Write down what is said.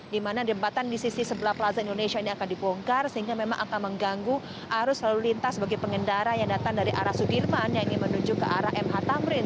di mana jembatan di sisi sebelah plaza indonesia ini akan dibongkar sehingga memang akan mengganggu arus lalu lintas bagi pengendara yang datang dari arah sudirman yang ingin menuju ke arah mh tamrin